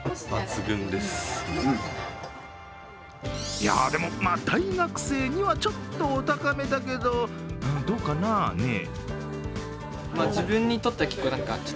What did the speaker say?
いや、でも大学生にはちょっとお高めだけどどうかな、ねえ？